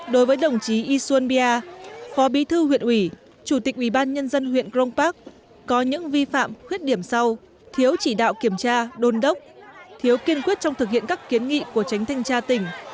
đối với đồng chí y xuan bia phó bí thư huyện ủy chủ tịch ubnd huyện cron park có những vi phạm khuyết điểm sau thiếu chỉ đạo kiểm tra đôn đốc thiếu kiên quyết trong thực hiện các kiến nghị của tránh thanh tra tỉnh